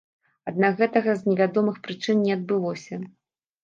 Аднак гэтага з невядомых прычын не адбылося.